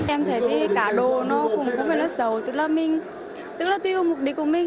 em thấy cả đồ nó cũng có vẻ rất xấu tức là tuyên mục đích của mình